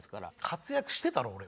活躍してたよ俺。